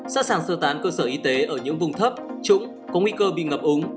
sẵn sàng sơ tán cơ sở y tế ở những vùng thấp trũng có nguy cơ bị ngập úng